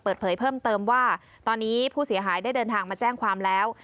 เปิดเผยเพิ่มเติมว่าตอนนี้ผู้เสียหายได้เดินทางมาแจ้งความแล้ว